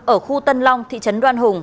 ở khu tân long thị trấn đoan hùng